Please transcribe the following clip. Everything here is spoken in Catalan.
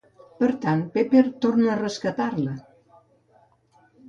Per tant, Pepper torna a rescatar-la ...